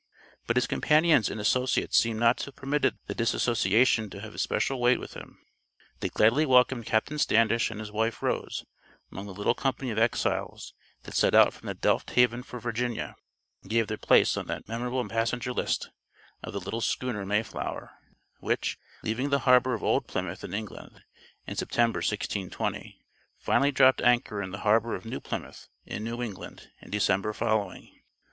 But his companions and associates seem not to have permitted the dissociation to have had special weight with them. They gladly welcomed Captain Standish and his wife, Rose, among the little company of exiles that set out from Delft Haven for Virginia, and gave their names place on that memorable passenger list of the little schooner Mayflower, which, leaving the harbor of old Plymouth, in England, in September, 1620, finally dropped anchor in the harbor of new Plymouth, in New England, in December following.